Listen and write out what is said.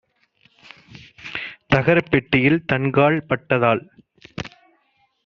தகரப் பெட்டியில் தன்கால் பட்டதால்